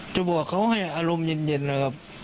จะบอกเขาให้อารมณ์เย็นนะครับ